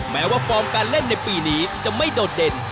แม้ว่าฟอร์มการเล่นในปีนี้จะไม่โดดเด่น